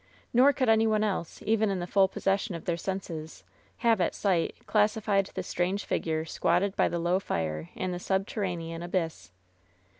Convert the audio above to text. Nor could any one else, even in the full possession of their senses, have, at sight, classified the strange figure squatted by the low fire in tie subterranean abyss.